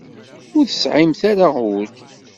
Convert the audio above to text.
Ur tesɛimt ara ul.